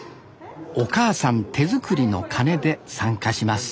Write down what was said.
お母さん手作りのカネで参加します